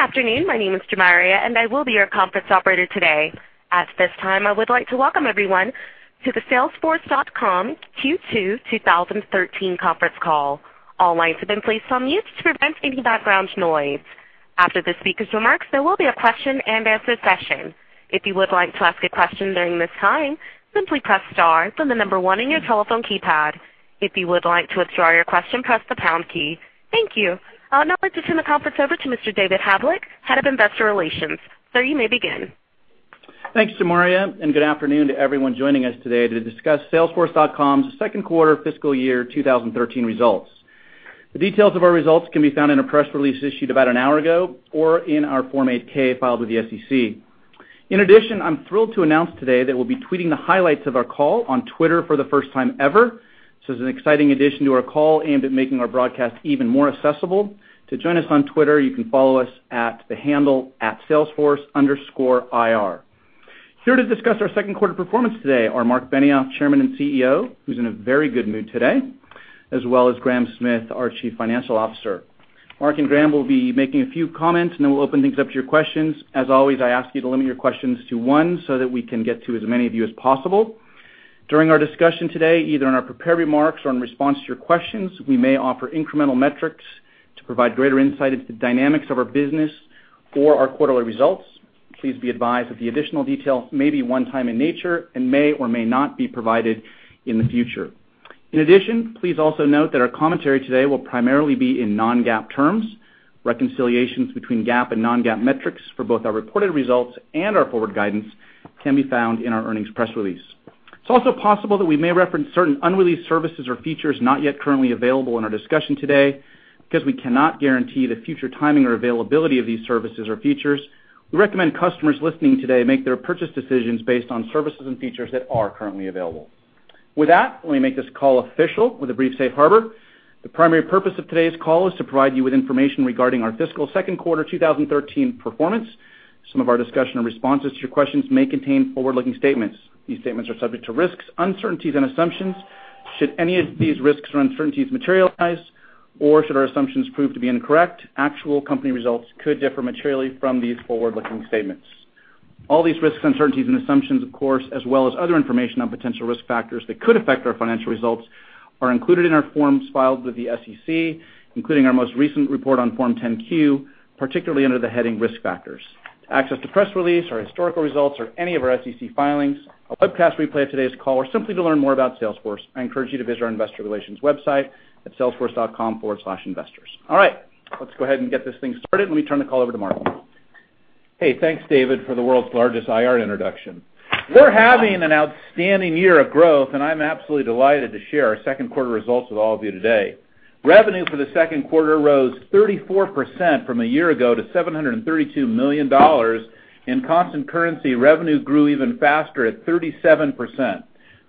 Good afternoon. My name is Jamaria, and I will be your conference operator today. At this time, I would like to welcome everyone to the Salesforce.com Q2 2013 conference call. All lines have been placed on mute to prevent any background noise. After the speaker's remarks, there will be a question-and-answer session. If you would like to ask a question during this time, simply press star then the number 1 on your telephone keypad. If you would like to withdraw your question, press the pound key. Thank you. I would now like to turn the conference over to Mr. David Havlek, head of investor relations. Sir, you may begin. Thanks, Jamaria, and good afternoon to everyone joining us today to discuss Salesforce.com's second quarter fiscal year 2013 results. The details of our results can be found in a press release issued about an hour ago or in our Form 8-K filed with the SEC. In addition, I'm thrilled to announce today that we'll be tweeting the highlights of our call on Twitter for the first time ever. This is an exciting addition to our call aimed at making our broadcast even more accessible. To join us on Twitter, you can follow us at the handle @salesforce_IR. Here to discuss our second quarter performance today are Marc Benioff, Chairman and CEO, who's in a very good mood today, as well as Graham Smith, our Chief Financial Officer. Marc and Graham will be making a few comments, and then we'll open things up to your questions. As always, I ask you to limit your questions to one so that we can get to as many of you as possible. During our discussion today, either in our prepared remarks or in response to your questions, we may offer incremental metrics to provide greater insight into the dynamics of our business or our quarterly results. Please be advised that the additional details may be one-time in nature and may or may not be provided in the future. In addition, please also note that our commentary today will primarily be in non-GAAP terms. Reconciliations between GAAP and non-GAAP metrics for both our reported results and our forward guidance can be found in our earnings press release. It's also possible that we may reference certain unreleased services or features not yet currently available in our discussion today. Because we cannot guarantee the future timing or availability of these services or features, we recommend customers listening today make their purchase decisions based on services and features that are currently available. With that, let me make this call official with a brief safe harbor. The primary purpose of today's call is to provide you with information regarding our fiscal second quarter 2013 performance. Some of our discussion and responses to your questions may contain forward-looking statements. These statements are subject to risks, uncertainties, and assumptions. Should any of these risks or uncertainties materialize or should our assumptions prove to be incorrect, actual company results could differ materially from these forward-looking statements. All these risks, uncertainties, and assumptions, of course, as well as other information on potential risk factors that could affect our financial results, are included in our forms filed with the SEC, including our most recent report on Form 10-Q, particularly under the heading Risk Factors. To access the press release, our historical results, or any of our SEC filings, a webcast replay of today's call, or simply to learn more about Salesforce, I encourage you to visit our investor relations website at salesforce.com/investors. All right. Let's go ahead and get this thing started. Let me turn the call over to Marc. Hey, thanks, David, for the world's largest IR introduction. We're having an outstanding year of growth. I'm absolutely delighted to share our second quarter results with all of you today. Revenue for the second quarter rose 34% from a year ago to $732 million. In constant currency, revenue grew even faster at 37%.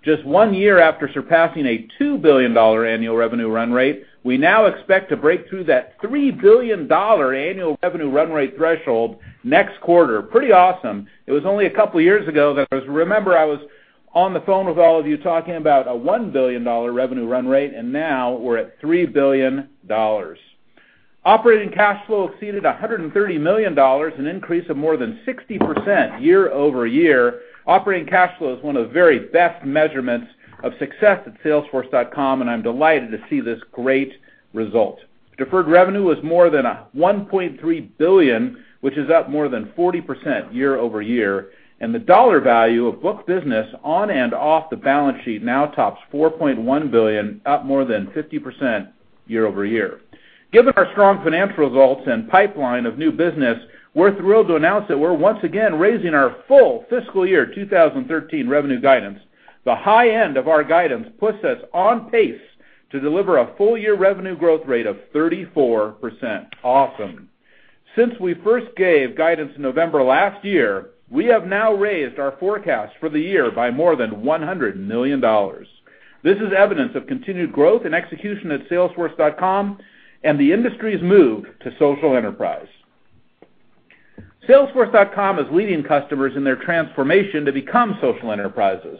Just one year after surpassing a $2 billion annual revenue run rate, we now expect to break through that $3 billion annual revenue run rate threshold next quarter. Pretty awesome. It was only a couple of years ago that, remember, I was on the phone with all of you talking about a $1 billion revenue run rate. Now we're at $3 billion. Operating cash flow exceeded $130 million, an increase of more than 60% year-over-year. Operating cash flow is one of the very best measurements of success at Salesforce.com. I'm delighted to see this great result. Deferred revenue was more than $1.3 billion, which is up more than 40% year-over-year, and the dollar value of booked business on and off the balance sheet now tops $4.1 billion, up more than 50% year-over-year. Given our strong financial results and pipeline of new business, we're thrilled to announce that we're once again raising our full FY 2013 revenue guidance. The high end of our guidance puts us on pace to deliver a full-year revenue growth rate of 34%. Awesome. Since we first gave guidance in November last year, we have now raised our forecast for the year by more than $100 million. This is evidence of continued growth and execution at Salesforce.com and the industry's move to social enterprise. Salesforce.com is leading customers in their transformation to become social enterprises.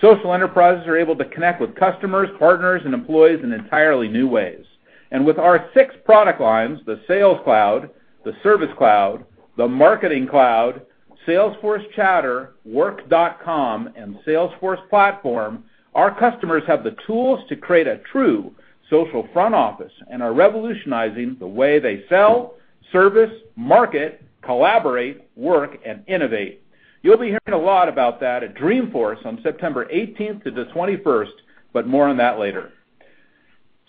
Social enterprises are able to connect with customers, partners, and employees in entirely new ways. With our six product lines, the Sales Cloud, the Service Cloud, the Marketing Cloud, Salesforce Chatter, Work.com, and Salesforce Platform, our customers have the tools to create a true social front office and are revolutionizing the way they sell, service, market, collaborate, work, and innovate. You'll be hearing a lot about that at Dreamforce on September 18th to the 21st, more on that later.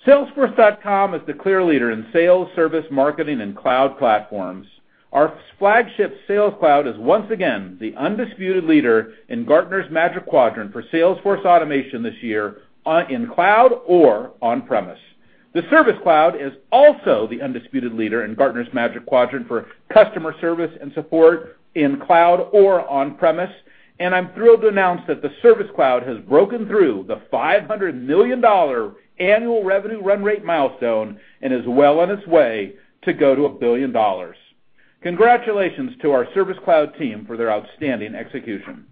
Salesforce.com is the clear leader in sales, service, marketing, and cloud platforms. Our flagship Sales Cloud is once again the undisputed leader in Gartner's Magic Quadrant for Salesforce automation this year in cloud or on-premise. The Service Cloud is also the undisputed leader in Gartner's Magic Quadrant for customer service and support in cloud or on-premise. I'm thrilled to announce that the Service Cloud has broken through the $500 million annual revenue run rate milestone and is well on its way to go to $1 billion. Congratulations to our Service Cloud team for their outstanding execution.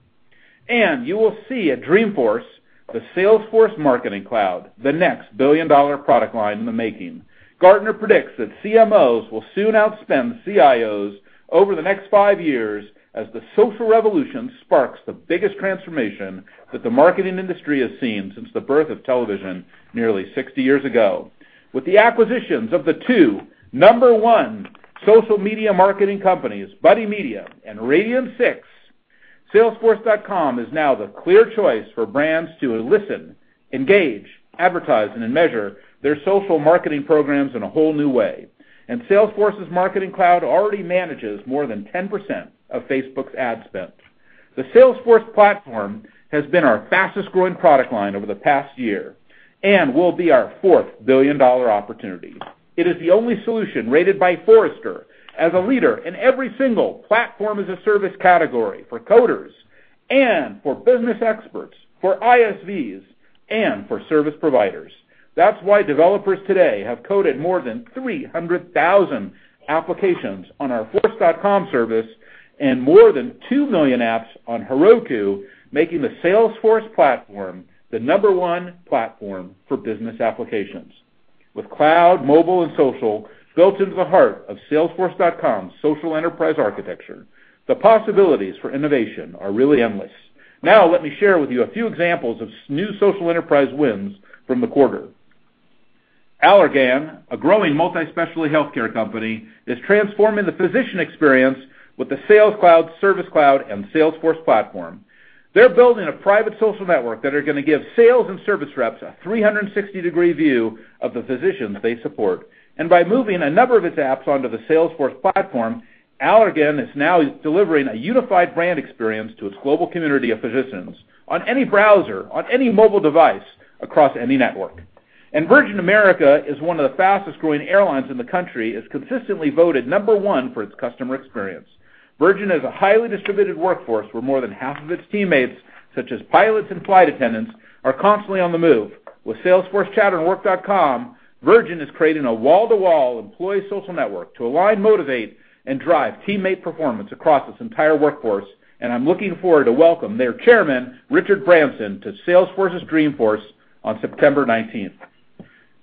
You will see at Dreamforce, the Salesforce Marketing Cloud, the next billion-dollar product line in the making. Gartner predicts that CMOs will soon outspend CIOs over the next 5 years as the social revolution sparks the biggest transformation that the marketing industry has seen since the birth of television nearly 60 years ago. With the acquisitions of the 2 number 1 social media marketing companies, Buddy Media and Radian6, Salesforce.com is now the clear choice for brands to listen, engage, advertise, and measure their social marketing programs in a whole new way. Salesforce's Marketing Cloud already manages more than 10% of Facebook's ad spend. The Salesforce Platform has been our fastest-growing product line over the past year and will be our 4th billion-dollar opportunity. It is the only solution rated by Forrester as a leader in every single PaaS category for coders and for business experts, for ISVs, and for service providers. That's why developers today have coded more than 300,000 applications on our Force.com service and more than 2 million apps on Heroku, making the Salesforce Platform the number 1 platform for business applications. With cloud, mobile, and social built into the heart of Salesforce.com social enterprise architecture, the possibilities for innovation are really endless. Let me share with you a few examples of new social enterprise wins from the quarter. Allergan, a growing multi-specialty healthcare company, is transforming the physician experience with the Sales Cloud, Service Cloud, and Salesforce Platform. They're building a private social network that is going to give sales and service reps a 360-degree view of the physicians they support. By moving a number of its apps onto the Salesforce Platform, Allergan is now delivering a unified brand experience to its global community of physicians on any browser, on any mobile device, across any network. Virgin America is one of the fastest-growing airlines in the country. It's consistently voted number 1 for its customer experience. Virgin has a highly distributed workforce, where more than half of its teammates, such as pilots and flight attendants, are constantly on the move. With Salesforce Chatter and Work.com, Virgin is creating a wall-to-wall employee social network to align, motivate, and drive teammate performance across its entire workforce. I'm looking forward to welcome their chairman, Richard Branson, to Salesforce's Dreamforce on September 19th.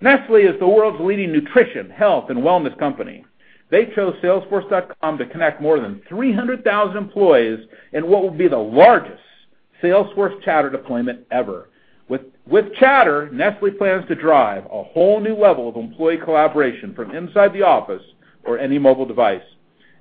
Nestlé is the world's leading nutrition, health, and wellness company. They chose Salesforce.com to connect more than 300,000 employees in what will be the largest Salesforce Chatter deployment ever. With Chatter, Nestlé plans to drive a whole new level of employee collaboration from inside the office or any mobile device.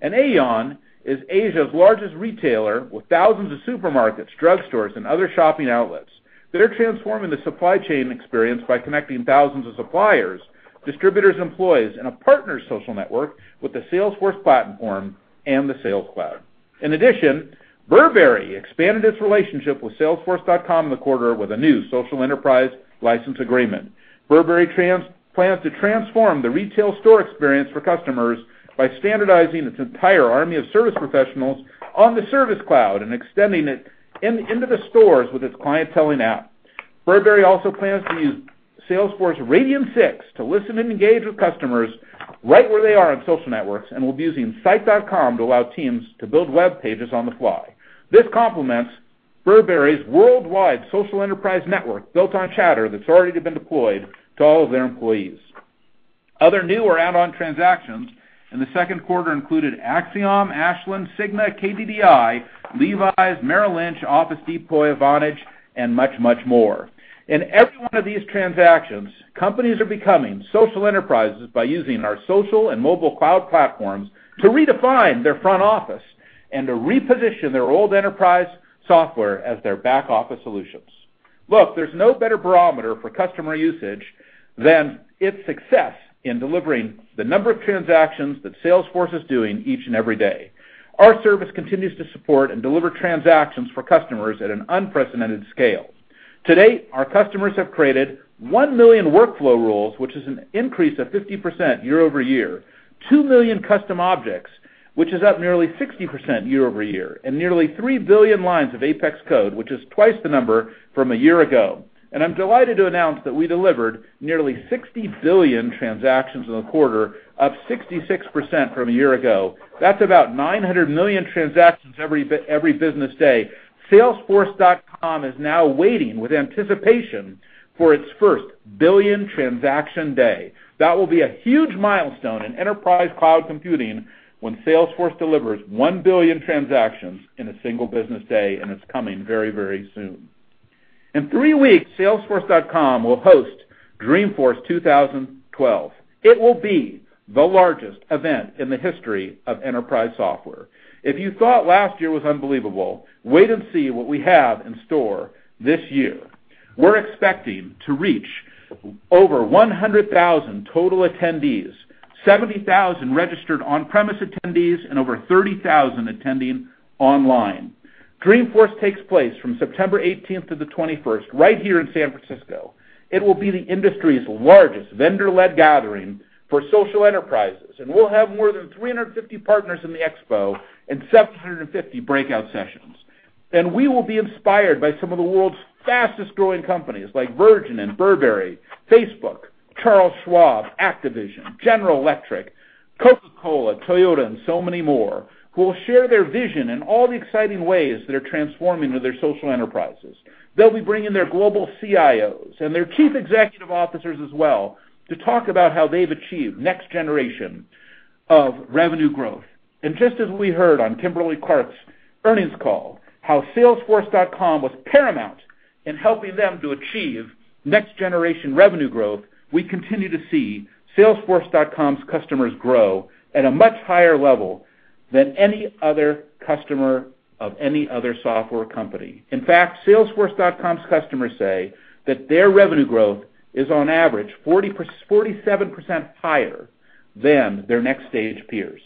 Aeon is Asia's largest retailer, with thousands of supermarkets, drugstores, and other shopping outlets. They're transforming the supply chain experience by connecting thousands of suppliers, distributors, employees, in a partner social network with the Salesforce Platform and the Sales Cloud. In addition, Burberry expanded its relationship with Salesforce.com in the quarter with a new social enterprise license agreement. Burberry plans to transform the retail store experience for customers by standardizing its entire army of service professionals on the Service Cloud and extending it into the stores with its clienteling app. Burberry also plans to use Salesforce Radian6 to listen and engage with customers right where they are on social networks and will be using Site.com to allow teams to build web pages on the fly. This complements Burberry's worldwide social enterprise network built on Chatter that's already been deployed to all of their employees. Other new or add-on transactions in the second quarter included Acxiom, Ashland, Cigna, KDDI, Levi's, Merrill Lynch, Office Depot, Vonage, and much, much more. In every one of these transactions, companies are becoming social enterprises by using our social and mobile cloud platforms to redefine their front office and to reposition their old enterprise software as their back-office solutions. Look, there's no better barometer for customer usage than its success in delivering the number of transactions that Salesforce is doing each and every day. Our service continues to support and deliver transactions for customers at an unprecedented scale. To date, our customers have created 1 million workflow rules, which is an increase of 50% year-over-year, 2 million custom objects, which is up nearly 60% year-over-year, and nearly 3 billion lines of Apex code, which is twice the number from a year ago. I'm delighted to announce that we delivered nearly 60 billion transactions in the quarter, up 66% from a year ago. That's about 900 million transactions every business day. Salesforce.com is now waiting with anticipation for its first billion transaction day. That will be a huge milestone in enterprise cloud computing when Salesforce delivers 1 billion transactions in a single business day, and it's coming very, very soon. In three weeks, Salesforce.com will host Dreamforce 2012. It will be the largest event in the history of enterprise software. If you thought last year was unbelievable, wait and see what we have in store this year. We're expecting to reach over 100,000 total attendees, 70,000 registered on-premise attendees, and over 30,000 attending online. Dreamforce takes place from September 18th to the 21st, right here in San Francisco. It will be the industry's largest vendor-led gathering for social enterprises, we'll have more than 350 partners in the expo and 750 breakout sessions. We will be inspired by some of the world's fastest-growing companies like Virgin and Burberry, Facebook, Charles Schwab, Activision, General Electric, Coca-Cola, Toyota, and so many more, who will share their vision in all the exciting ways they're transforming with their social enterprises. They'll be bringing their global CIOs and their chief executive officers as well to talk about how they've achieved the next generation of revenue growth. Just as we heard on Kimberly-Clark's earnings call, how Salesforce.com was paramount in helping them to achieve next-generation revenue growth, we continue to see Salesforce.com's customers grow at a much higher level than any other customer of any other software company. In fact, Salesforce.com's customers say that their revenue growth is on average 47% higher than their next-stage peers.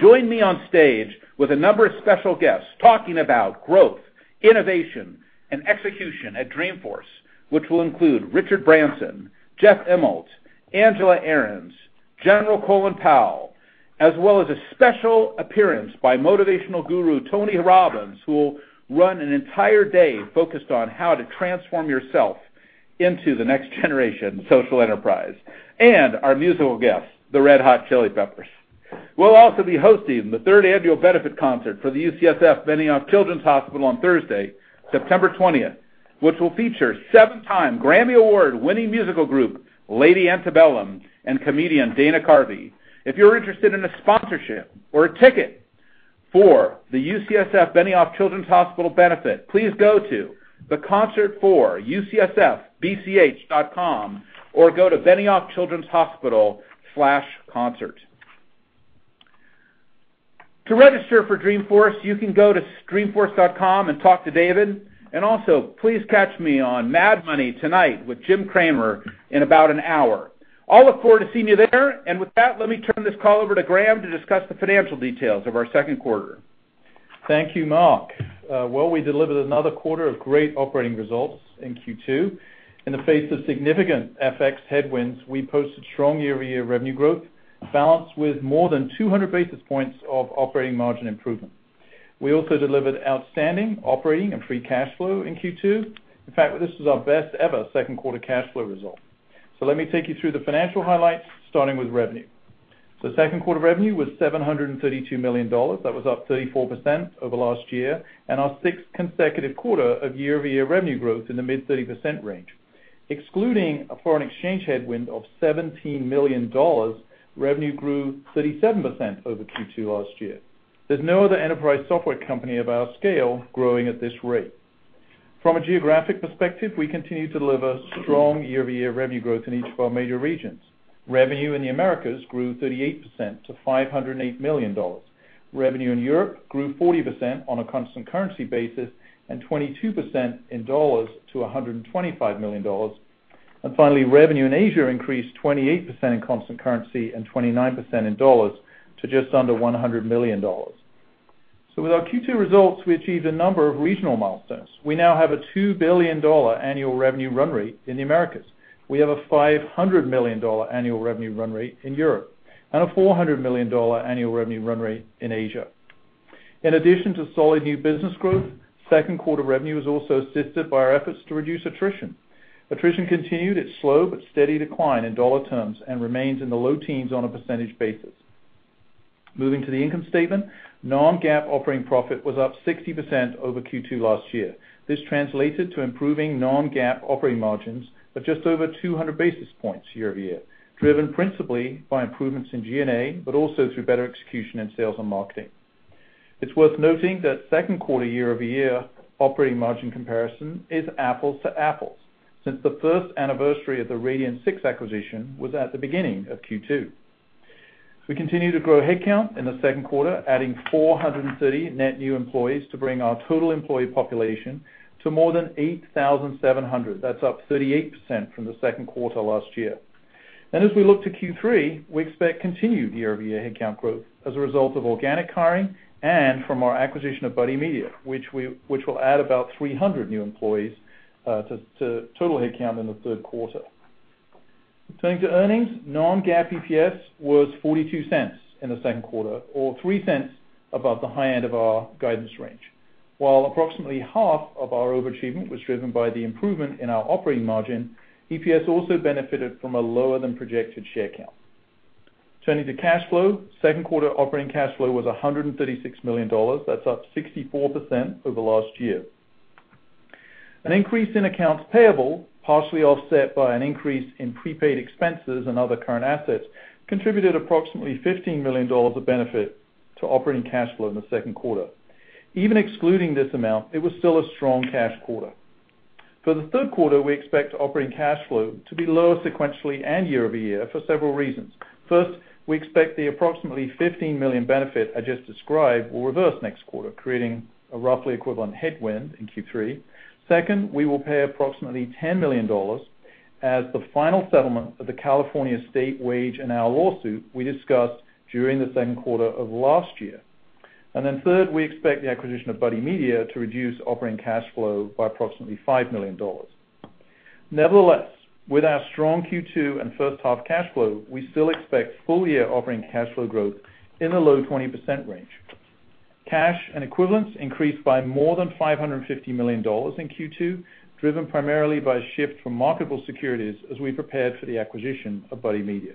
Join me on stage with a number of special guests talking about growth, innovation, and execution at Dreamforce, which will include Richard Branson, Jeff Immelt, Angela Ahrendts, General Colin Powell, as well as a special appearance by motivational guru Tony Robbins, who will run an entire day focused on how to transform yourself into the next generation social enterprise, and our musical guest, the Red Hot Chili Peppers. We'll also be hosting the third annual benefit concert for the UCSF Benioff Children's Hospital on Thursday, September 20th, which will feature seven-time Grammy Award-winning musical group, Lady Antebellum, and comedian Dana Carvey. If you're interested in a sponsorship or a ticket for the UCSF Benioff Children's Hospital benefit, please go to theconcertforucsfbch.com or go to benioffchildrenshospital/concert. To register for Dreamforce, you can go to dreamforce.com and talk to David. Also, please catch me on "Mad Money" tonight with Jim Cramer in about an hour. I'll look forward to seeing you there. With that, let me turn this call over to Graham to discuss the financial details of our second quarter. Thank you, Marc. Well, we delivered another quarter of great operating results in Q2. In the face of significant FX headwinds, we posted strong year-over-year revenue growth, balanced with more than 200 basis points of operating margin improvement. We also delivered outstanding operating and free cash flow in Q2. In fact, this is our best ever second quarter cash flow result. Let me take you through the financial highlights, starting with revenue. Second quarter revenue was $732 million. That was up 34% over last year, and our sixth consecutive quarter of year-over-year revenue growth in the mid 30% range. Excluding a foreign exchange headwind of $17 million, revenue grew 37% over Q2 last year. There's no other enterprise software company of our scale growing at this rate. From a geographic perspective, we continue to deliver strong year-over-year revenue growth in each of our major regions. Revenue in the Americas grew 38% to $508 million. Revenue in Europe grew 40% on a constant currency basis and 22% in dollars to $125 million. Finally, revenue in Asia increased 28% in constant currency and 29% in dollars to just under $100 million. With our Q2 results, we achieved a number of regional milestones. We now have a $2 billion annual revenue run rate in the Americas. We have a $500 million annual revenue run rate in Europe, and a $400 million annual revenue run rate in Asia. In addition to solid new business growth, second quarter revenue was also assisted by our efforts to reduce attrition. Attrition continued its slow but steady decline in dollar terms and remains in the low teens on a percentage basis. Moving to the income statement, non-GAAP operating profit was up 60% over Q2 last year. This translated to improving non-GAAP operating margins of just over 200 basis points year-over-year, driven principally by improvements in G&A, but also through better execution in sales and marketing. It is worth noting that second quarter year-over-year operating margin comparison is apples to apples, since the first anniversary of the Radian6 acquisition was at the beginning of Q2. We continued to grow headcount in the second quarter, adding 430 net new employees to bring our total employee population to more than 8,700. That is up 38% from the second quarter last year. As we look to Q3, we expect continued year-over-year headcount growth as a result of organic hiring and from our acquisition of Buddy Media, which will add about 300 new employees to total headcount in the third quarter. Turning to earnings, non-GAAP EPS was $0.42 in the second quarter, or $0.03 above the high end of our guidance range. While approximately half of our overachievement was driven by the improvement in our operating margin, EPS also benefited from a lower than projected share count. Turning to cash flow, second quarter operating cash flow was $136 million. That is up 64% over last year. An increase in accounts payable, partially offset by an increase in prepaid expenses and other current assets, contributed approximately $15 million of benefit to operating cash flow in the second quarter. Even excluding this amount, it was still a strong cash quarter. For the third quarter, we expect operating cash flow to be lower sequentially and year-over-year for several reasons. First, we expect the approximately $15 million benefit I just described will reverse next quarter, creating a roughly equivalent headwind in Q3. Second, we will pay approximately $10 million as the final settlement of the California state wage and hour lawsuit we discussed during the second quarter of last year. Third, we expect the acquisition of Buddy Media to reduce operating cash flow by approximately $5 million. Nevertheless, with our strong Q2 and first half cash flow, we still expect full-year operating cash flow growth in the low 20% range. Cash and equivalents increased by more than $550 million in Q2, driven primarily by a shift from marketable securities as we prepared for the acquisition of Buddy Media.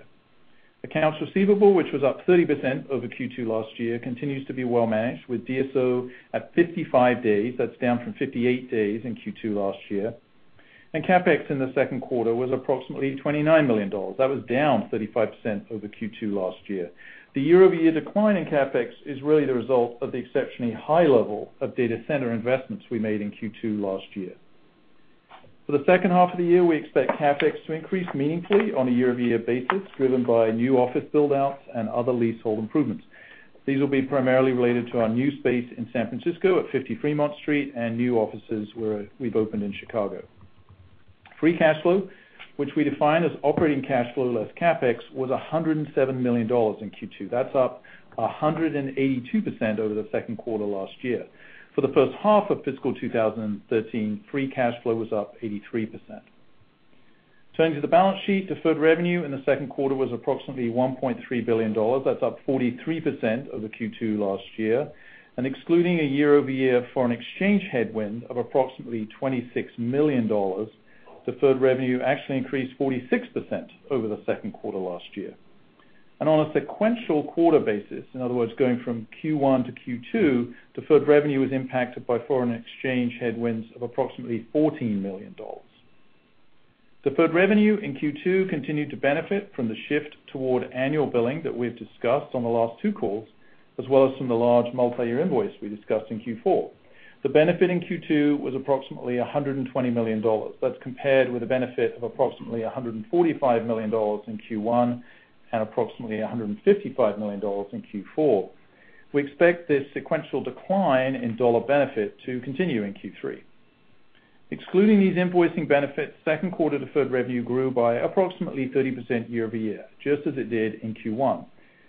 Accounts receivable, which was up 30% over Q2 last year, continues to be well-managed, with DSO at 55 days. That is down from 58 days in Q2 last year. CapEx in the second quarter was approximately $29 million. That was down 35% over Q2 last year. The year-over-year decline in CapEx is really the result of the exceptionally high level of data center investments we made in Q2 last year. For the second half of the year, we expect CapEx to increase meaningfully on a year-over-year basis, driven by new office build-outs and other leasehold improvements. These will be primarily related to our new space in San Francisco at 50 Fremont Street and new offices where we have opened in Chicago. Free cash flow, which we define as operating cash flow less CapEx, was $107 million in Q2. That is up 182% over the second quarter last year. For the first half of fiscal 2013, free cash flow was up 83%. Turning to the balance sheet, deferred revenue in the second quarter was approximately $1.3 billion. That is up 43% over Q2 last year. Excluding a year-over-year foreign exchange headwind of approximately $26 million, deferred revenue actually increased 46% over the second quarter last year. On a sequential quarter basis, in other words, going from Q1 to Q2, deferred revenue was impacted by foreign exchange headwinds of approximately $14 million. Deferred revenue in Q2 continued to benefit from the shift toward annual billing that we have discussed on the last two calls, as well as from the large multi-year invoice we discussed in Q4. The benefit in Q2 was approximately $120 million. That is compared with the benefit of approximately $145 million in Q1 and approximately $155 million in Q4. We expect this sequential decline in dollar benefit to continue in Q3. Excluding these invoicing benefits, second quarter deferred revenue grew by approximately 30% year-over-year, just as it did in Q1.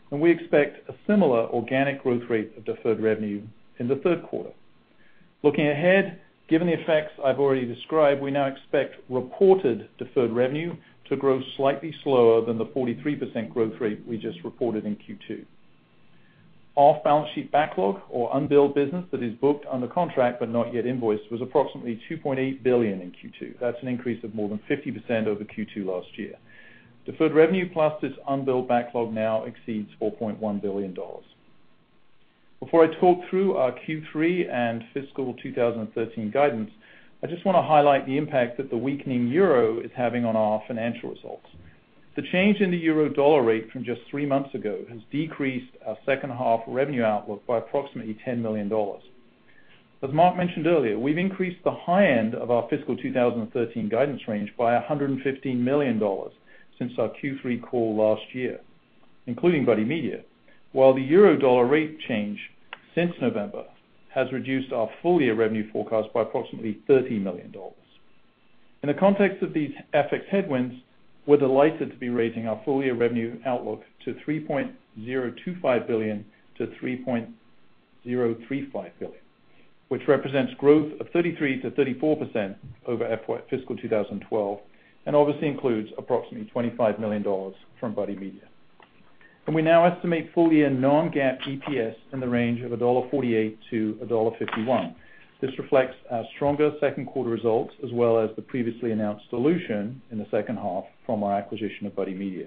We expect a similar organic growth rate of deferred revenue in the third quarter. Looking ahead, given the effects I have already described, we now expect reported deferred revenue to grow slightly slower than the 43% growth rate we just reported in Q2. Off-balance-sheet backlog or unbilled business that is booked under contract but not yet invoiced was approximately $2.8 billion in Q2. That is an increase of more than 50% over Q2 last year. Deferred revenue plus this unbilled backlog now exceeds $4.1 billion. Before I talk through our Q3 and fiscal 2013 guidance, I just want to highlight the impact that the weakening euro is having on our financial results. The change in the euro-dollar rate from just three months ago has decreased our second half revenue outlook by approximately $10 million. As Marc mentioned earlier, we have increased the high end of our fiscal 2013 guidance range by $115 million since our Q3 call last year, including Buddy Media, while the euro-dollar rate change since November has reduced our full-year revenue forecast by approximately $30 million. In the context of these FX headwinds, we are delighted to be raising our full-year revenue outlook to $3.025 billion-$3.035 billion, which represents growth of 33%-34% over fiscal 2012, and obviously includes approximately $25 million from Buddy Media. We now estimate full-year non-GAAP EPS in the range of $1.48-$1.51. This reflects our stronger second quarter results, as well as the previously announced dilution in the second half from our acquisition of Buddy Media.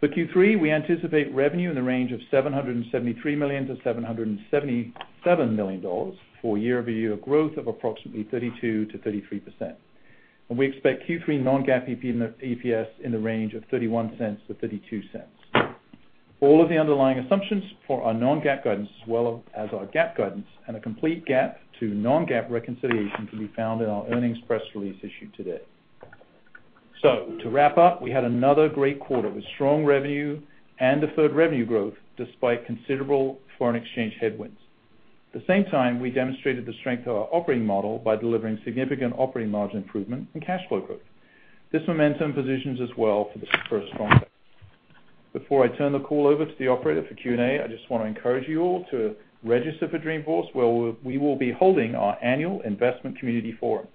For Q3, we anticipate revenue in the range of $773 million-$777 million, for year-over-year growth of approximately 32%-33%. We expect Q3 non-GAAP EPS in the range of $0.31-$0.32. All of the underlying assumptions for our non-GAAP guidance, as well as our GAAP guidance, and a complete GAAP to non-GAAP reconciliation, can be found in our earnings press release issued today. To wrap up, we had another great quarter with strong revenue and deferred revenue growth, despite considerable foreign exchange headwinds. At the same time, we demonstrated the strength of our operating model by delivering significant operating margin improvement and cash flow growth. This momentum positions us well for the first half. Before I turn the call over to the operator for Q&A, I just want to encourage you all to register for Dreamforce, where we will be holding our annual investment community forum.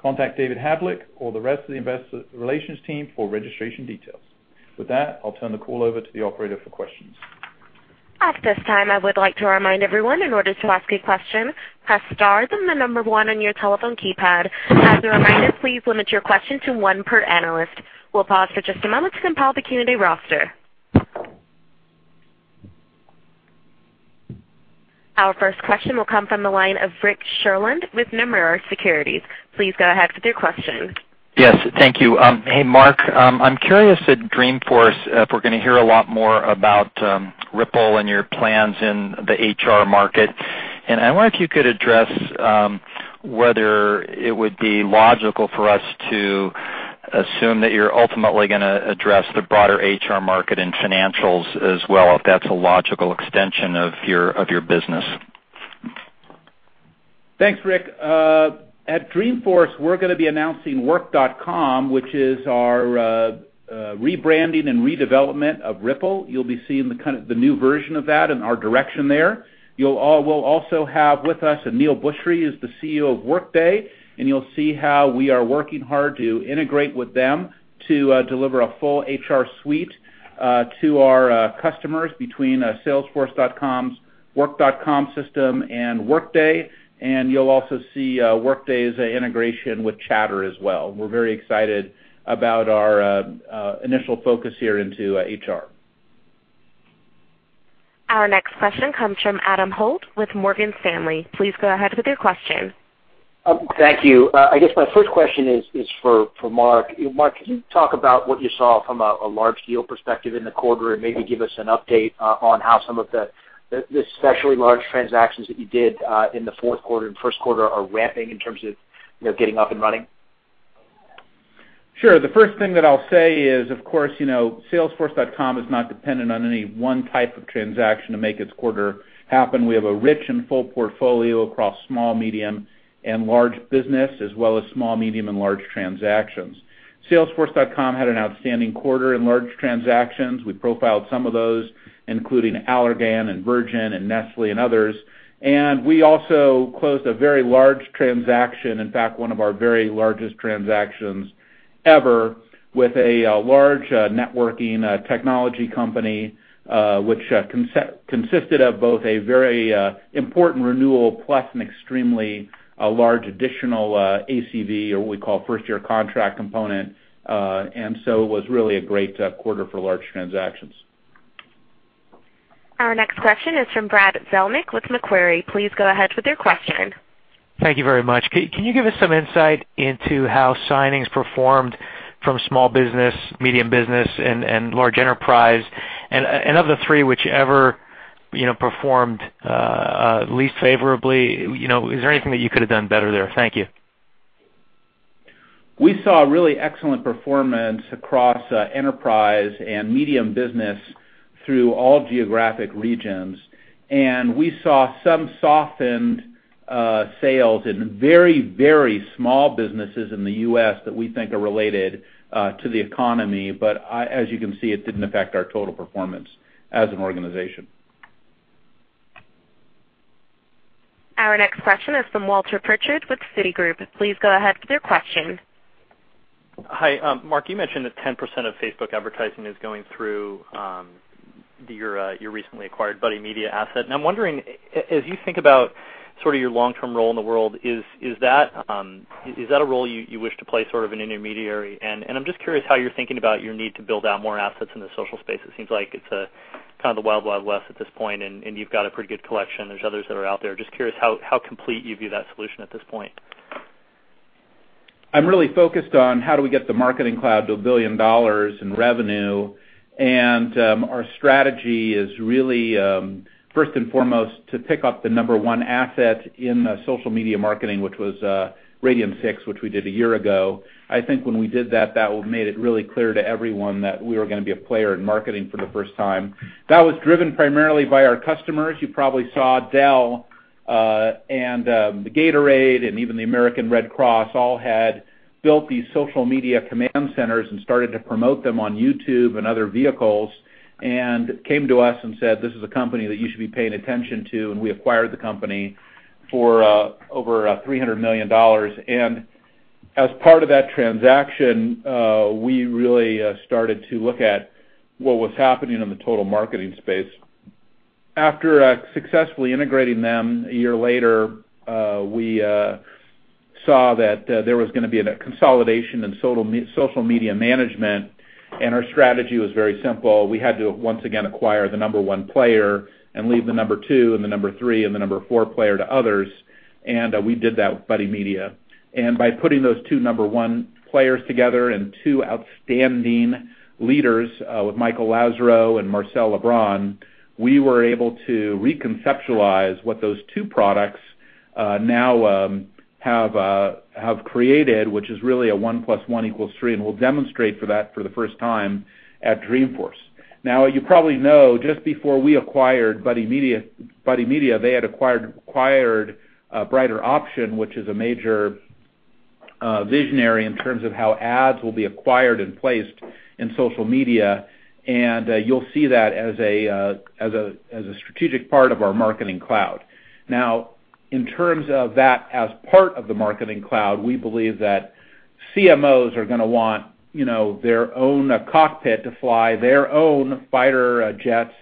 Contact David Havlek or the rest of the investor relations team for registration details. With that, I'll turn the call over to the operator for questions. At this time, I would like to remind everyone, in order to ask a question, press star, then the number 1 on your telephone keypad. As a reminder, please limit your question to one per analyst. We'll pause for just a moment to compile the Q&A roster. Our first question will come from the line of Rick Sherlund with Nomura Securities. Please go ahead with your question. Yes, thank you. Hey, Marc, I'm curious at Dreamforce if we're going to hear a lot more about Rypple and your plans in the HR market. I wonder if you could address whether it would be logical for us to assume that you're ultimately going to address the broader HR market and financials as well, if that's a logical extension of your business. Thanks, Rick. At Dreamforce, we're going to be announcing Work.com, which is our rebranding and redevelopment of Rypple. You'll be seeing the new version of that and our direction there. We'll also have with us, Aneel Bhusri is the CEO of Workday, and you'll see how we are working hard to integrate with them to deliver a full HR suite to our customers between salesforce.com's Work.com system and Workday. You'll also see Workday's integration with Chatter as well. We're very excited about our initial focus here into HR. Our next question comes from Adam Holt with Morgan Stanley. Please go ahead with your question. Thank you. I guess my first question is for Marc. Marc, can you talk about what you saw from a large deal perspective in the quarter, and maybe give us an update on how some of the especially large transactions that you did in the fourth quarter and first quarter are ramping in terms of getting up and running? Sure. The first thing that I'll say is, of course, salesforce.com is not dependent on any one type of transaction to make its quarter happen. We have a rich and full portfolio across small, medium, and large business, as well as small, medium, and large transactions. salesforce.com had an outstanding quarter in large transactions. We profiled some of those, including Allergan and Virgin and Nestlé and others. We also closed a very large transaction, in fact, one of our very largest transactions ever, with a large networking technology company, which consisted of both a very important renewal plus an extremely large additional ACV or what we call first-year contract component. So it was really a great quarter for large transactions. Our next question is from Brad Zelnick with Macquarie. Please go ahead with your question. Thank you very much. Can you give us some insight into how signings performed from small business, medium business, and large enterprise? Of the three, whichever performed least favorably, is there anything that you could have done better there? Thank you. We saw really excellent performance across enterprise and medium business through all geographic regions. We saw some softened sales in very small businesses in the U.S. that we think are related to the economy. As you can see, it didn't affect our total performance as an organization. Our next question is from Walter Pritchard with Citigroup. Please go ahead with your question. Hi, Marc. You mentioned that 10% of Facebook advertising is going through your recently acquired Buddy Media asset. I'm wondering, as you think about sort of your long-term role in the world, is that a role you wish to play sort of an intermediary? I'm just curious how you're thinking about your need to build out more assets in the social space. It seems like it's kind of the Wild Wild West at this point, and you've got a pretty good collection. There's others that are out there. Just curious how complete you view that solution at this point. I'm really focused on how do we get the Marketing Cloud to $1 billion in revenue. Our strategy is really, first and foremost, to pick up the number 1 asset in social media marketing, which was Radian6, which we did 1 year ago. I think when we did that made it really clear to everyone that we were going to be a player in marketing for the first time. That was driven primarily by our customers. You probably saw Dell and Gatorade, and even the American Red Cross, all had built these social media command centers and started to promote them on YouTube and other vehicles, and came to us and said, "This is a company that you should be paying attention to." We acquired the company for over $300 million. As part of that transaction, we really started to look at what was happening in the total marketing space. After successfully integrating them 1 year later, we saw that there was going to be a consolidation in social media management, and our strategy was very simple. We had to once again acquire the number 1 player and leave the number 2 and the number 3 and the number 4 player to others. We did that with Buddy Media. By putting those two number 1 players together and two outstanding leaders with Michael Lazerow and Marcel LeBrun, we were able to reconceptualize what those two products now have created, which is really a one plus one equals three. We'll demonstrate that for the first time at Dreamforce. Now, you probably know, just before we acquired Buddy Media, they had acquired Brighter Option, which is a major visionary in terms of how ads will be acquired and placed in social media. You'll see that as a strategic part of our Marketing Cloud. Now, in terms of that as part of the Marketing Cloud, we believe that CMOs are going to want their own cockpit to fly their own fighter jets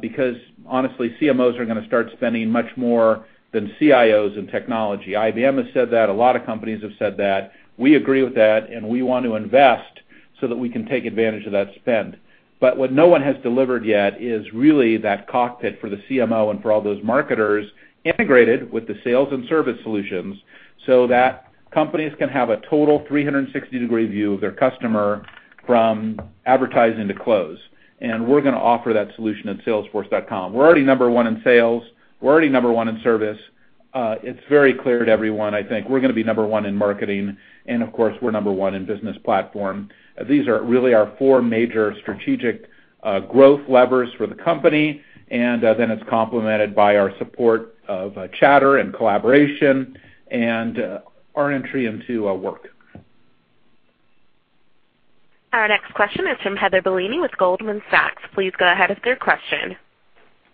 because honestly, CMOs are going to start spending much more than CIOs in technology. IBM has said that. A lot of companies have said that. We agree with that, and we want to invest so that we can take advantage of that spend. What no one has delivered yet is really that cockpit for the CMO and for all those marketers integrated with the sales and service solutions so that companies can have a total 360-degree view of their customer from advertising to close. We're going to offer that solution at salesforce.com. We're already number one in sales. We're already number one in service. It's very clear to everyone, I think, we're going to be number one in marketing, and of course, we're number one in Salesforce Platform. These are really our four major strategic growth levers for the company, and then it's complemented by our support of Chatter and collaboration and our entry into Work.com. Our next question is from Heather Bellini with Goldman Sachs. Please go ahead with your question.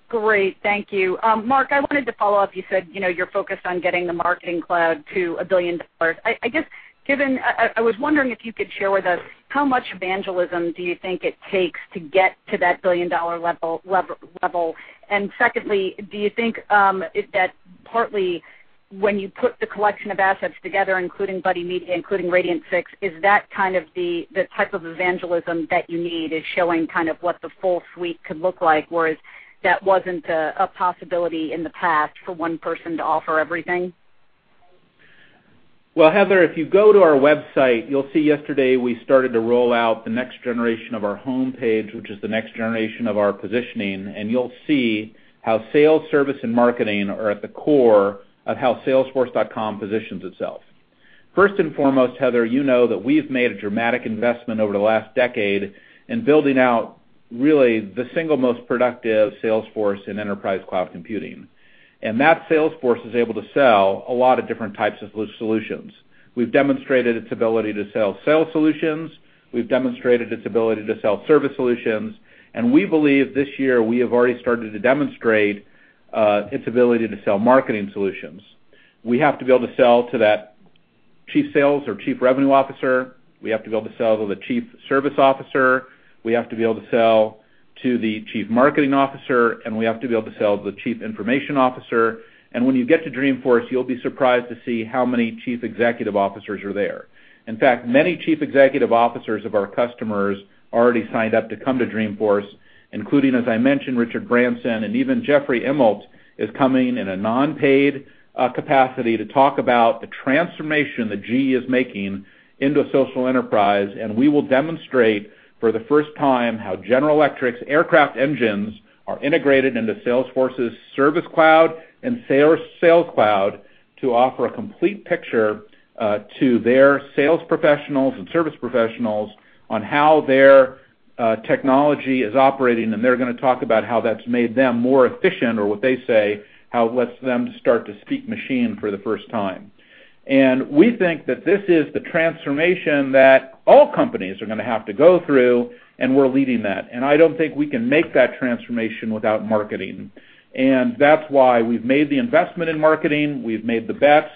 Great. Thank you. Marc, I wanted to follow up. You said you're focused on getting the Marketing Cloud to $1 billion. I was wondering if you could share with us how much evangelism do you think it takes to get to that $1 billion level? Secondly, do you think that partly when you put the collection of assets together, including Buddy Media, including Radian6, is that kind of the type of evangelism that you need is showing kind of what the full suite could look like, whereas that wasn't a possibility in the past for one person to offer everything? Heather, if you go to our website, you'll see yesterday we started to roll out the next generation of our homepage, which is the next generation of our positioning, and you'll see how sales, service, and marketing are at the core of how salesforce.com positions itself. First and foremost, Heather, you know that we've made a dramatic investment over the last decade in building out really the single most productive sales force in enterprise cloud computing. That sales force is able to sell a lot of different types of solutions. We've demonstrated its ability to sell sales solutions, we've demonstrated its ability to sell service solutions, and we believe this year we have already started to demonstrate its ability to sell marketing solutions. We have to be able to sell to that chief sales or chief revenue officer, we have to be able to sell to the chief service officer, we have to be able to sell to the chief marketing officer, we have to be able to sell to the chief information officer, when you get to Dreamforce, you'll be surprised to see how many chief executive officers are there. In fact, many chief executive officers of our customers already signed up to come to Dreamforce, including, as I mentioned, Richard Branson, even Jeffrey Immelt is coming in a non-paid capacity to talk about the transformation that GE is making into a social enterprise. We will demonstrate for the first time how General Electric's aircraft engines are integrated into Salesforce's Service Cloud and Sales Cloud to offer a complete picture to their sales professionals and service professionals on how their technology is operating. They're going to talk about how that's made them more efficient, or what they say, how it lets them start to speak machine for the first time. We think that this is the transformation that all companies are going to have to go through, and we're leading that. I don't think we can make that transformation without marketing. That's why we've made the investment in marketing, we've made the bets,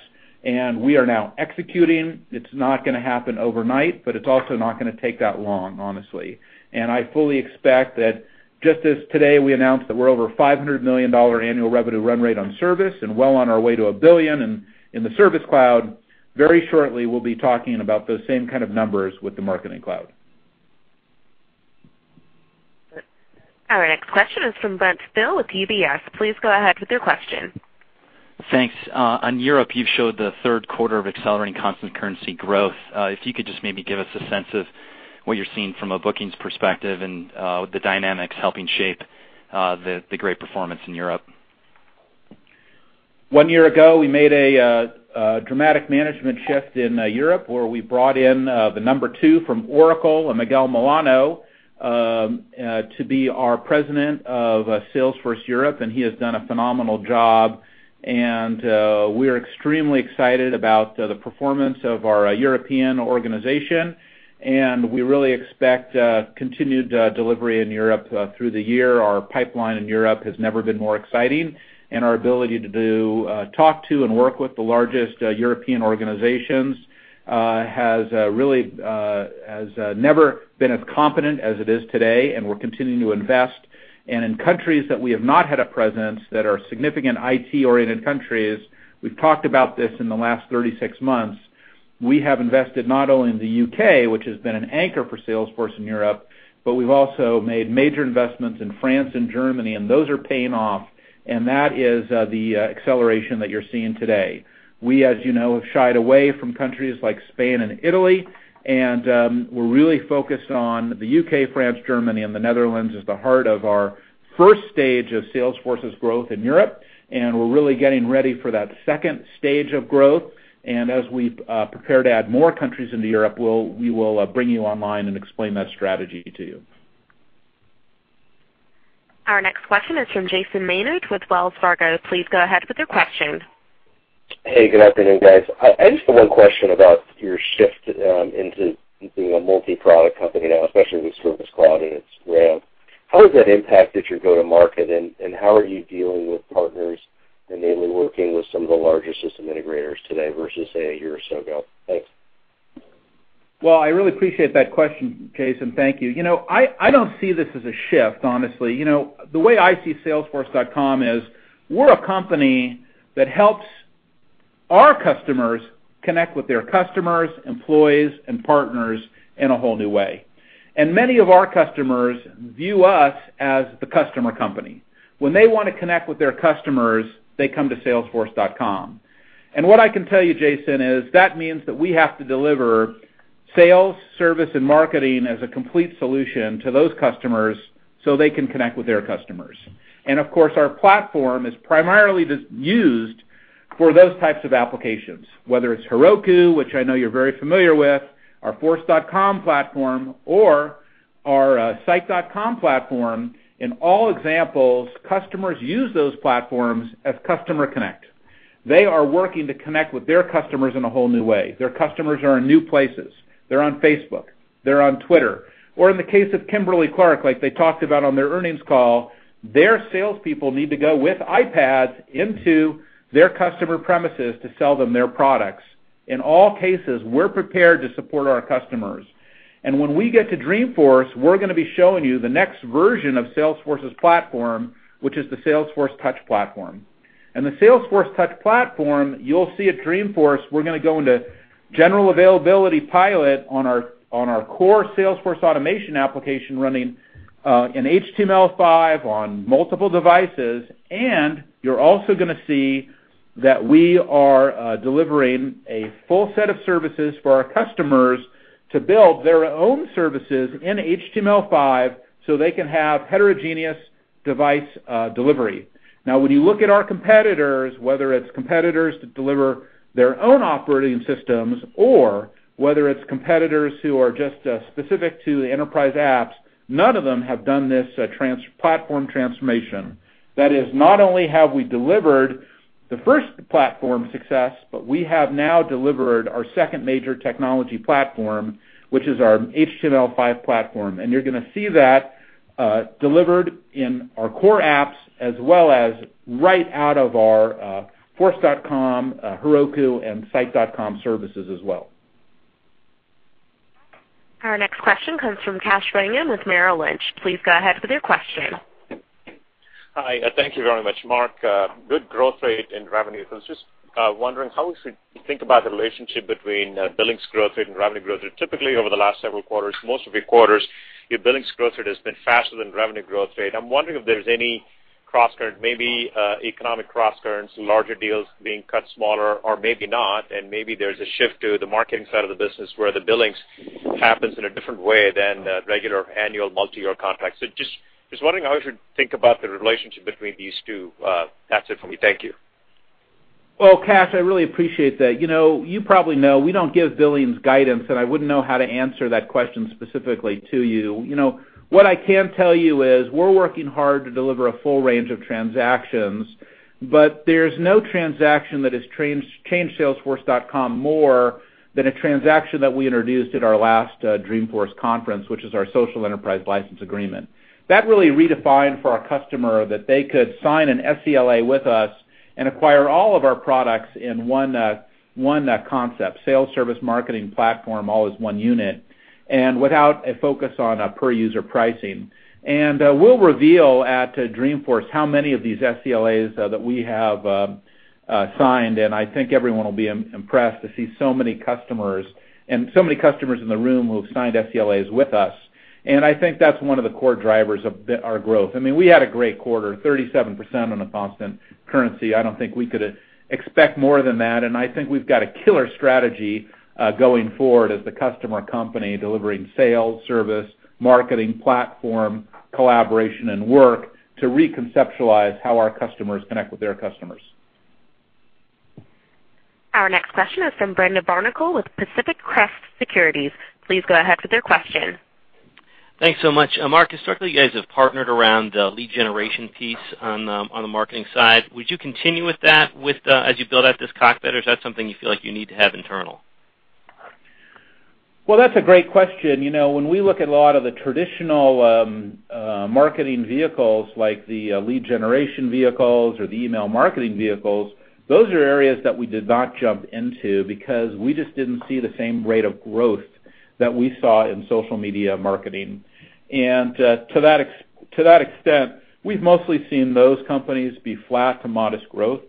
and we are now executing. It's not going to happen overnight, but it's also not going to take that long, honestly. I fully expect that just as today we announced that we're over $500 million annual revenue run rate on service and well on our way to $1 billion in the Service Cloud, very shortly we'll be talking about those same kind of numbers with the Marketing Cloud. Our next question is from Brent Thill with UBS. Please go ahead with your question. Thanks. On Europe, you've showed the third quarter of accelerating constant currency growth. If you could just maybe give us a sense of what you're seeing from a bookings perspective and the dynamics helping shape the great performance in Europe. One year ago, we made a dramatic management shift in Europe, where we brought in the number 2 from Oracle, a Miguel Milano, to be our president of Salesforce Europe. He has done a phenomenal job. We are extremely excited about the performance of our European organization, and we really expect continued delivery in Europe through the year. Our pipeline in Europe has never been more exciting. Our ability to talk to and work with the largest European organizations has never been as competent as it is today. We're continuing to invest. In countries that we have not had a presence that are significant IT-oriented countries, we've talked about this in the last 36 months, we have invested not only in the U.K., which has been an anchor for Salesforce in Europe, but we've also made major investments in France and Germany. Those are paying off. That is the acceleration that you're seeing today. We, as you know, have shied away from countries like Spain and Italy. We're really focused on the U.K., France, Germany, and the Netherlands as the heart of our first stage of Salesforce's growth in Europe, and we're really getting ready for that second stage of growth. As we prepare to add more countries into Europe, we will bring you online and explain that strategy to you. Our next question is from Jason Maynard with Wells Fargo. Please go ahead with your question. Hey, good afternoon, guys. I just have one question about your shift into being a multi-product company now, especially with Service Cloud and its ramp. How has that impacted your go to market, and how are you dealing with partners and maybe working with some of the larger system integrators today versus, say, a year or so ago? Thanks. Well, I really appreciate that question, Jason. Thank you. I don't see this as a shift, honestly. The way I see salesforce.com is we're a company that helps our customers connect with their customers, employees, and partners in a whole new way. Many of our customers view us as the customer company. When they want to connect with their customers, they come to salesforce.com. What I can tell you, Jason, is that means that we have to deliver sales, service, and marketing as a complete solution to those customers so they can connect with their customers. Of course, our platform is primarily just used for those types of applications, whether it's Heroku, which I know you're very familiar with, our Force.com platform or our Site.com platform, in all examples, customers use those platforms as customer connect. They are working to connect with their customers in a whole new way. Their customers are in new places. They're on Facebook, they're on Twitter, or in the case of Kimberly-Clark, like they talked about on their earnings call, their salespeople need to go with iPads into their customer premises to sell them their products. In all cases, we're prepared to support our customers. When we get to Dreamforce, we're going to be showing you the next version of Salesforce's platform, which is the Salesforce Touch platform. The Salesforce Touch platform, you'll see at Dreamforce, we're going to go into general availability pilot on our core Salesforce automation application running in HTML5 on multiple devices, and you're also going to see that we are delivering a full set of services for our customers to build their own services in HTML5 so they can have heterogeneous device delivery. When you look at our competitors, whether it's competitors to deliver their own operating systems, or whether it's competitors who are just specific to the enterprise apps, none of them have done this platform transformation. That is, not only have we delivered the first platform success, but we have now delivered our second major technology platform, which is our HTML5 platform. You're going to see that delivered in our core apps as well as right out of our Force.com, Heroku, and Site.com services as well. Our next question comes from Kash Rangan with Merrill Lynch. Please go ahead with your question. Hi. Thank you very much, Marc. Good growth rate in revenue. I was just wondering how we should think about the relationship between billings growth rate and revenue growth rate. Typically, over the last several quarters, most of your quarters, your billings growth rate has been faster than revenue growth rate. I'm wondering if there's any maybe economic cross-currents, larger deals being cut smaller, or maybe not, and maybe there's a shift to the marketing side of the business where the billings happens in a different way than regular annual multi-year contracts. Just wondering how we should think about the relationship between these two. That's it for me. Thank you. Well, Kash, I really appreciate that. You probably know we don't give billings guidance, and I wouldn't know how to answer that question specifically to you. What I can tell you is we're working hard to deliver a full range of transactions, but there's no transaction that has changed salesforce.com more than a transaction that we introduced at our last Dreamforce conference, which is our social enterprise license agreement. That really redefined for our customer that they could sign an SELA with us and acquire all of our products in one concept, Sales Service Marketing Platform, all as one unit, and without a focus on a per-user pricing. We'll reveal at Dreamforce how many of these SELAs that we have signed, I think everyone will be impressed to see so many customers, and so many customers in the room who have signed SELAs with us. I think that's one of the core drivers of our growth. We had a great quarter, 37% on a constant currency. I don't think we could expect more than that, I think we've got a killer strategy going forward as the customer company delivering Sales, Service, Marketing, Platform, Collaboration, and Work to reconceptualize how our customers connect with their customers. Our next question is from Brendan Barnicle with Pacific Crest Securities. Please go ahead with your question. Thanks so much. Marc, historically, you guys have partnered around lead generation piece on the marketing side. Would you continue with that as you build out this cockpit, or is that something you feel like you need to have internal? That's a great question. To that extent, we've mostly seen those companies be flat to modest growth,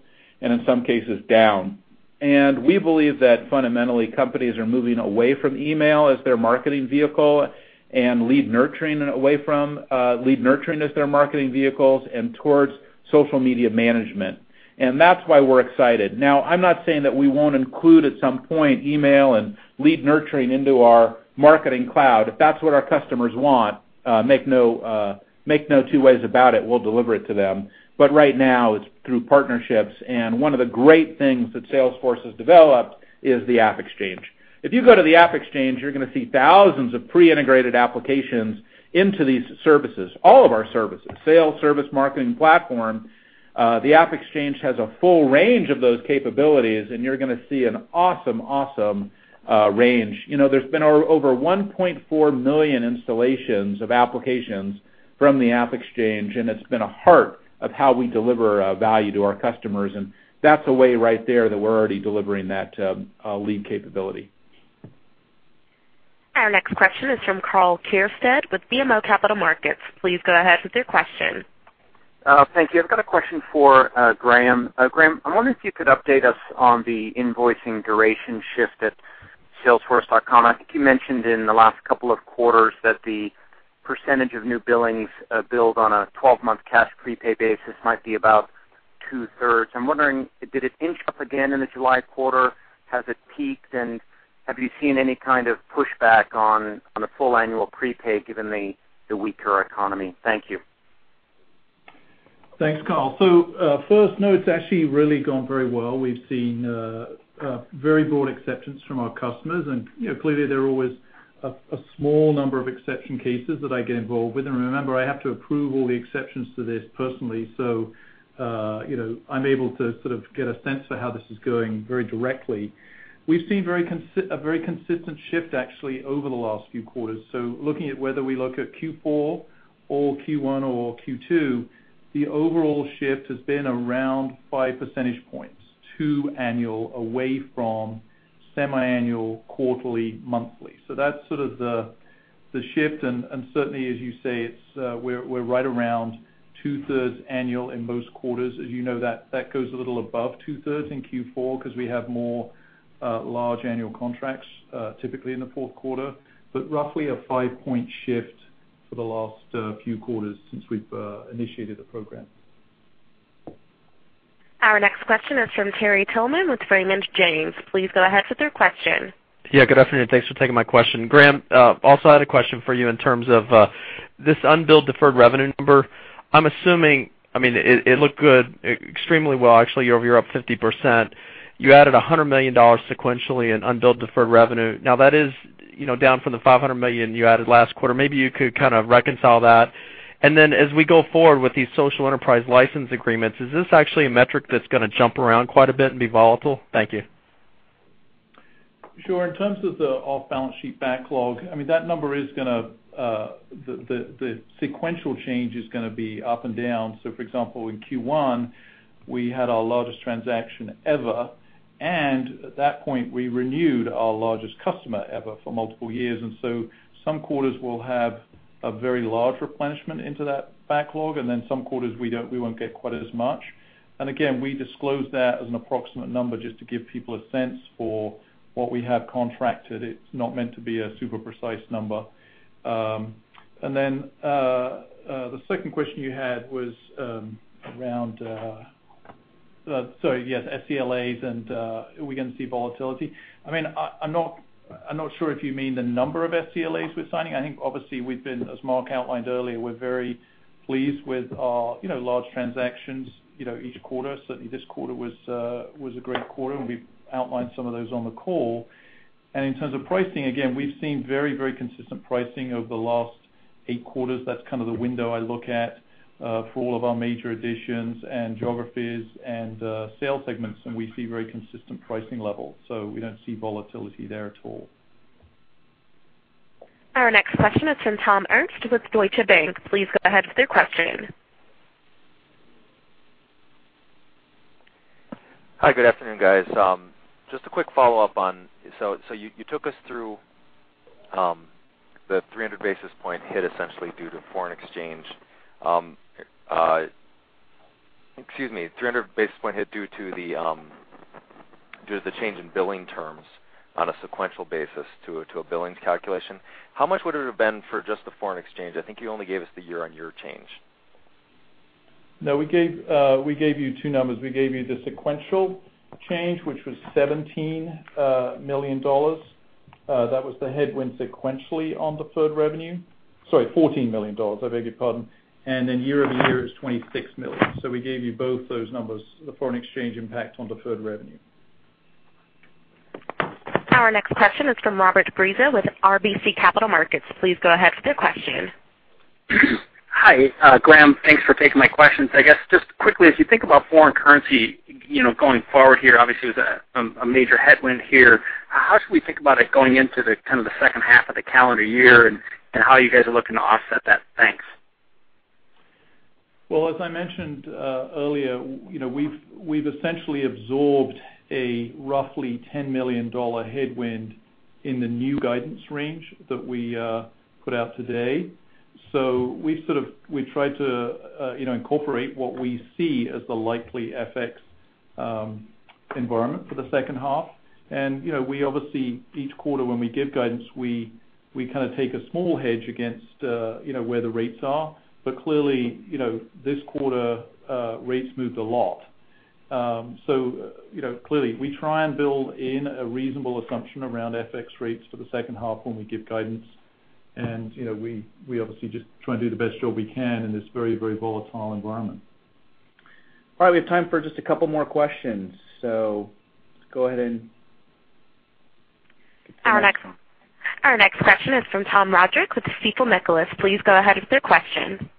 and in some cases down. We believe that fundamentally, companies are moving away from email as their marketing vehicle, and lead nurturing away from lead nurturing as their marketing vehicles and towards social media management. That's why we're excited. Now, I'm not saying that we won't include at some point email and lead nurturing into our Marketing Cloud. If that's what our customers want, make no two ways about it, we'll deliver it to them. Right now, it's through partnerships, and one of the great things that Salesforce has developed is the AppExchange. If you go to the AppExchange, you're going to see thousands of pre-integrated applications into these services, all of our services, sales, service, marketing platform. The AppExchange has a full range of those capabilities, and you're going to see an awesome range. There's been over 1.4 million installations of applications from the AppExchange, and it's been a heart of how we deliver value to our customers, and that's a way right there that we're already delivering that lead capability. Our next question is from Karl Keirstead with BMO Capital Markets. Please go ahead with your question. Thank you. I've got a question for Graham. Graham, I'm wondering if you could update us on the invoicing duration shift at salesforce.com. I think you mentioned in the last couple of quarters that the percentage of new billings billed on a 12-month cash prepay basis might be about two-thirds. I'm wondering, did it inch up again in the July quarter? Has it peaked? Have you seen any kind of pushback on the full annual prepay given the weaker economy? Thank you. Thanks, Karl. First, no, it's actually really gone very well. We've seen very broad acceptance from our customers, and clearly there are always a small number of exception cases that I get involved with. Remember, I have to approve all the exceptions to this personally. I'm able to sort of get a sense for how this is going very directly. We've seen a very consistent shift, actually, over the last few quarters. Looking at whether we look at Q4 or Q1 or Q2, the overall shift has been around five percentage points to annual away from semi-annual, quarterly, monthly. That's sort of the shift. Certainly, as you say, we're right around two-thirds annual in most quarters. As you know, that goes a little above two-thirds in Q4 because we have more large annual contracts, typically in the fourth quarter. Roughly a five-point shift for the last few quarters since we've initiated the program. Our next question is from Terry Tillman with Raymond James. Please go ahead with your question. Yeah, good afternoon. Thanks for taking my question. Graham, also, I had a question for you in terms of this unbilled deferred revenue number. I'm assuming, it looked extremely good, actually, you're up 50%. You added $100 million sequentially in unbilled deferred revenue. That is down from the $500 million you added last quarter. Maybe you could kind of reconcile that. As we go forward with these social enterprise license agreements, is this actually a metric that's going to jump around quite a bit and be volatile? Thank you. Sure. In terms of the off-balance sheet backlog, that number, the sequential change is going to be up and down. For example, in Q1, we had our largest transaction ever, and at that point, we renewed our largest customer ever for multiple years. Some quarters will have a very large replenishment into that backlog. Then some quarters we won't get quite as much. Again, we disclose that as an approximate number just to give people a sense for what we have contracted. It's not meant to be a super precise number. Then, the second question you had was around, yes, SELAs, and are we going to see volatility? I'm not sure if you mean the number of SELAs we're signing. I think obviously we've been, as Marc outlined earlier, we're very pleased with our large transactions each quarter. Certainly, this quarter was a great quarter, and we've outlined some of those on the call. In terms of pricing, again, we've seen very consistent pricing over the last eight quarters. That's kind of the window I look at for all of our major additions and geographies and sales segments, we see very consistent pricing levels, we don't see volatility there at all. Our next question is from Tom Ernst with Deutsche Bank. Please go ahead with your question. Hi. Good afternoon, guys. Just a quick follow-up. You took us through the 300 basis point hit essentially due to foreign exchange. Excuse me, 300 basis point hit due to the change in billing terms on a sequential basis to a billings calculation. How much would it have been for just the foreign exchange? I think you only gave us the year-on-year change. No, we gave you two numbers. We gave you the sequential change, which was $17 million. That was the headwind sequentially on deferred revenue. Sorry, $14 million, I beg your pardon. Year-over-year is $26 million. We gave you both those numbers, the foreign exchange impact on deferred revenue. Our next question is from Robert Breza with RBC Capital Markets. Please go ahead with your question. Hi, Graham. Thanks for taking my questions. I guess just quickly, as you think about foreign currency, going forward here, obviously, it was a major headwind here. How should we think about it going into the second half of the calendar year and how you guys are looking to offset that? Thanks. Well, as I mentioned earlier, we've essentially absorbed a roughly $10 million headwind in the new guidance range that we put out today. We tried to incorporate what we see as the likely FX environment for the second half. Obviously each quarter when we give guidance, we take a small hedge against where the rates are. Clearly, this quarter rates moved a lot. Clearly we try and build in a reasonable assumption around FX rates for the second half when we give guidance. We obviously just try and do the best job we can in this very volatile environment. All right. We have time for just a couple more questions. Go ahead and. Our next question is from Tom Roderick with Stifel Nicolaus. Please go ahead with your question.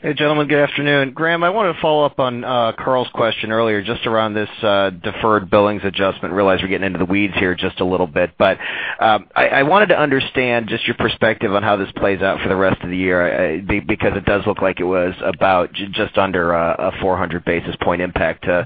Hey, gentlemen. Good afternoon. Graham, I wanted to follow up on Karl's question earlier just around this deferred billings adjustment. Realize we're getting into the weeds here just a little bit. I wanted to understand just your perspective on how this plays out for the rest of the year, because it does look like it was about just under a 400 basis point impact to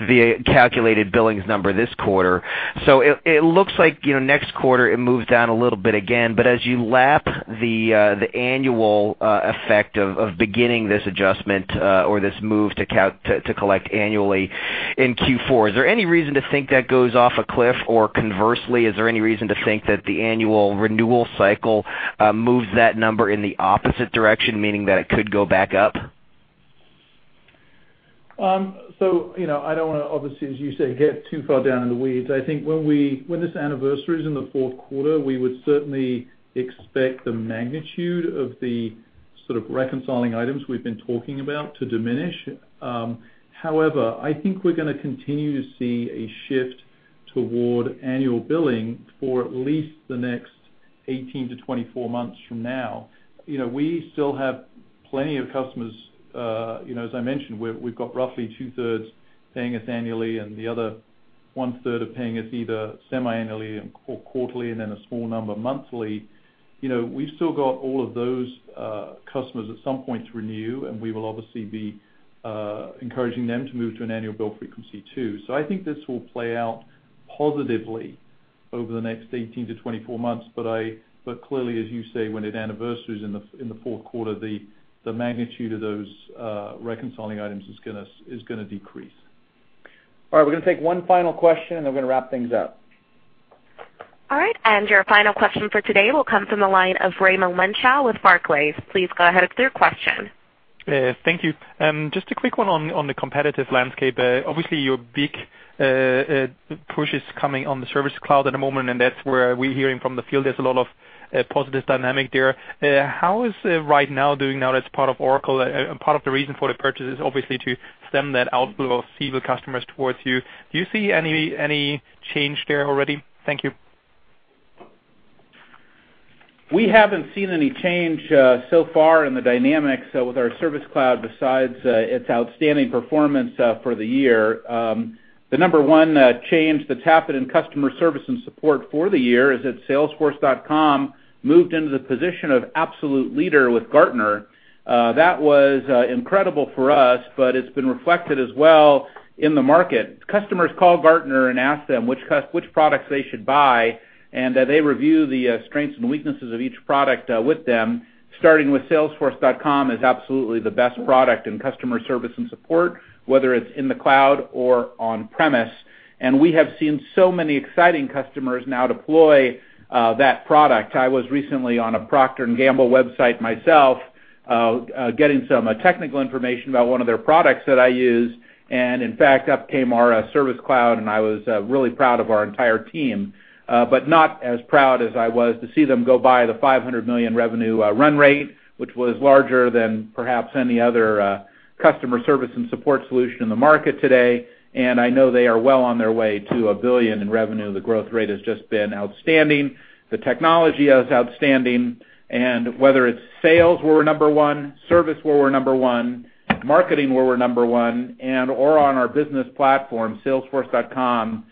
the calculated billings number this quarter. It looks like, next quarter, it moves down a little bit again. As you lap the annual effect of beginning this adjustment or this move to collect annually in Q4, is there any reason to think that goes off a cliff? Conversely, is there any reason to think that the annual renewal cycle moves that number in the opposite direction, meaning that it could go back up? I don't want to, obviously, as you say, get too far down in the weeds. I think when this anniversaries in the fourth quarter, we would certainly expect the magnitude of the sort of reconciling items we've been talking about to diminish. However, I think we're going to continue to see a shift toward annual billing for at least the next 18 to 24 months from now. We still have plenty of customers, as I mentioned, we've got roughly two-thirds paying us annually, and the other one-third are paying us either semiannually or quarterly, and then a small number monthly. We've still got all of those customers at some point to renew, and we will obviously be encouraging them to move to an annual bill frequency too. I think this will play out positively over the next 18 to 24 months, clearly, as you say, when it anniversaries in the fourth quarter, the magnitude of those reconciling items is going to decrease. All right, we're going to take one final question, then we're going to wrap things up. All right. Your final question for today will come from the line of Raimo Lenschow with Barclays. Please go ahead with your question. Thank you. Just a quick one on the competitive landscape. Obviously, your big push is coming on the Service Cloud at the moment, and that's where we're hearing from the field. There's a lot of positive dynamic there. How is RightNow doing now that's part of Oracle? Part of the reason for the purchase is obviously to stem that outflow of Siebel customers towards you. Do you see any change there already? Thank you. We haven't seen any change so far in the dynamics with our Service Cloud besides its outstanding performance for the year. The number one change that's happened in customer service and support for the year is that Salesforce.com moved into the position of absolute leader with Gartner. That was incredible for us, but it's been reflected as well in the market. Customers call Gartner and ask them which products they should buy, and they review the strengths and weaknesses of each product with them. Starting with Salesforce.com is absolutely the best product in customer service and support, whether it's in the cloud or on-premise. We have seen so many exciting customers now deploy that product. I was recently on a Procter & Gamble website myself, getting some technical information about one of their products that I use, and in fact, up came our Service Cloud, and I was really proud of our entire team. Not as proud as I was to see them go by the $500 million revenue run rate, which was larger than perhaps any other customer service and support solution in the market today. I know they are well on their way to a $1 billion in revenue. The growth rate has just been outstanding. The technology is outstanding. Whether it's Sales where we're number one, Service where we're number one, Marketing where we're number one, and/or on our business platform, Salesforce.com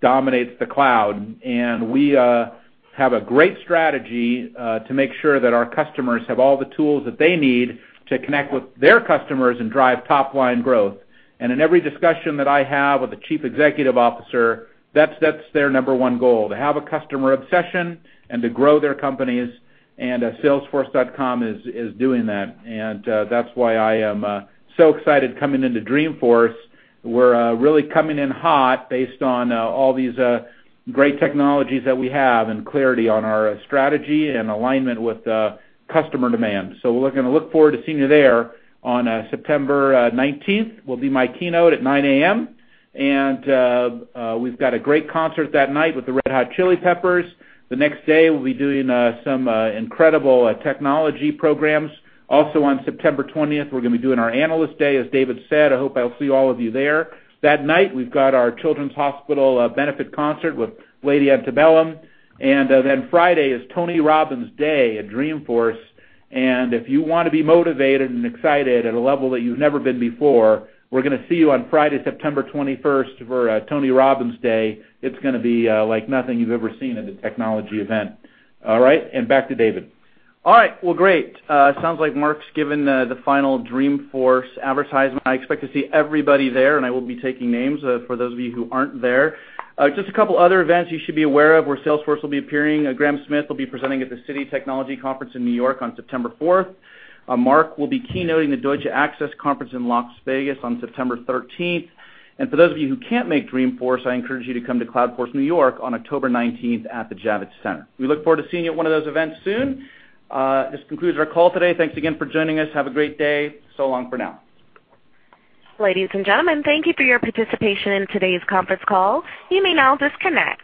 dominates the cloud. We have a great strategy to make sure that our customers have all the tools that they need to connect with their customers and drive top-line growth. In every discussion that I have with a Chief Executive Officer, that's their number one goal, to have a customer obsession and to grow their companies. Salesforce.com is doing that. That's why I am so excited coming into Dreamforce. We're really coming in hot based on all these great technologies that we have and clarity on our strategy and alignment with customer demand. We're going to look forward to seeing you there on September 19th. Will be my keynote at 9:00 A.M. We've got a great concert that night with the Red Hot Chili Peppers. The next day, we'll be doing some incredible technology programs. On September 20th, we're going to be doing our Analyst Day, as David said. I hope I'll see all of you there. That night, we've got our Children's Hospital benefit concert with Lady Antebellum. Then Friday is Tony Robbins Day at Dreamforce. If you want to be motivated and excited at a level that you've never been before, we're going to see you on Friday, September 21st for Tony Robbins Day. It's going to be like nothing you've ever seen at a technology event. All right, back to David. All right. Great. Sounds like Marc's given the final Dreamforce advertisement. I expect to see everybody there, and I will be taking names for those of you who aren't there. Just a couple other events you should be aware of where Salesforce will be appearing. Graham Smith will be presenting at the Citi Technology Conference in New York on September 4th. Marc will be keynoting the Deutsche Bank Access Conference in Las Vegas on September 13th. For those of you who can't make Dreamforce, I encourage you to come to Cloudforce New York on October 19th at the Javits Center. We look forward to seeing you at one of those events soon. This concludes our call today. Thanks again for joining us. Have a great day. So long for now. Ladies and gentlemen, thank you for your participation in today's conference call. You may now disconnect.